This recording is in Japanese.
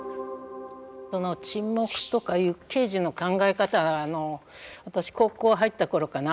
その沈黙とかいうケージの考え方は私高校入った頃かな